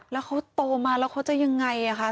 แล้วเขาโตมาแล้วเขาจะยังไงคะ